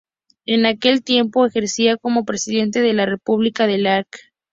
En aquel tiempo ejercía como Presidente de la República el Arq.